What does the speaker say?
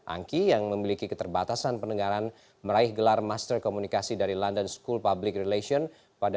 angky yang memiliki keterbatasan pendengaran meraih gelar master of communication dari london school of public relations pada dua ribu sepuluh